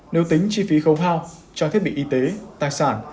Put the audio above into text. nếu tính chi phí khấu hao cho thiết bị y tế tài sản